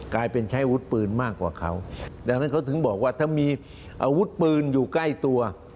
กลายเป็นใช้อาวุธปืนมากกว่าเขาดังนั้นเขาถึงบอกว่าถ้ามีอาวุธปืนอยู่ใกล้ตัว